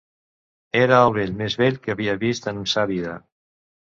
Era el vell més vell que havia vist en sa vida.